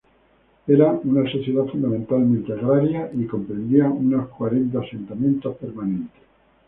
Eran una sociedad fundamental agraria y comprendían unos cuarenta asentamientos permanentes.